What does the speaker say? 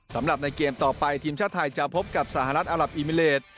สำหรับในเกมต่อไปทีมชาติไทยจะพบกับสหรัฐอารับอิมิเลส